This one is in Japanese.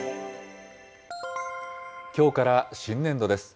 きょうから新年度です。